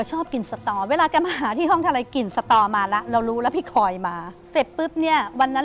อเจมส์ดวงจันทร์สวัสดี